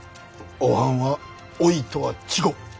おはんはおいとは違っ。